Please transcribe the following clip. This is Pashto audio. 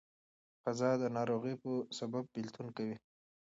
قضا د ناروغۍ په سبب بيلتون کوي.